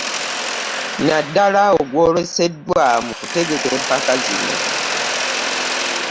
Naddala ogwoleseddwa mu kutegeka empaka zino